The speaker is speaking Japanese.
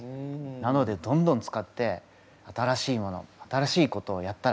なのでどんどん使って新しいもの新しいことをやったらいいと思います。